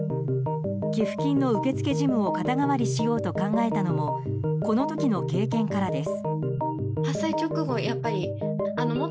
寄付金の受け付け事務を肩代わりしようと考えたのもこの時の経験からです。